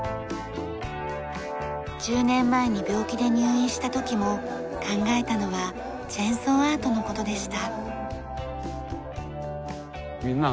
１０年前に病気で入院した時も考えたのはチェーンソーアートの事でした。